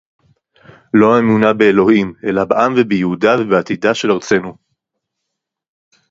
לא האמונה באלוהים, אלא בעם ובייעודה ובעתידה של ארצנו.